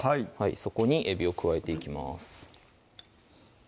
そこにえびを加えていきます